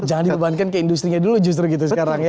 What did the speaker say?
jangan dibebankan ke industri nya dulu justru gitu sekarang ya